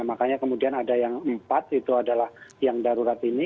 makanya kemudian ada yang empat itu adalah yang darurat ini